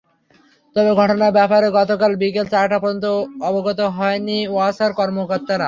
তবে ঘটনার ব্যাপারে গতকাল বিকেল চারটা পর্যন্ত অবগত হননি ওয়াসার কর্মকর্তারা।